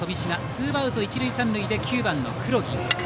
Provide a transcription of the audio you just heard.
ツーアウト一塁三塁で９番の黒木。